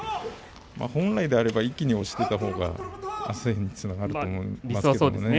本来であれば一気に押したほうがあすにつながると思うんですけどね。